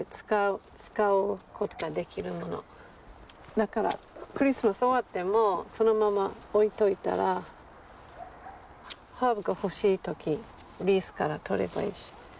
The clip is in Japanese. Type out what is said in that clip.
だからクリスマスが終わってもそのまま置いといたらハーブが欲しい時リースから取ればいいし。